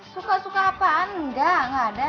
suka suka apaan enggak gak ada